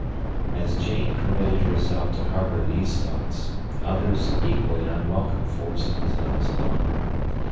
As Jane permitted herself to harbor these thoughts, others equally unwelcome forced themselves upon her.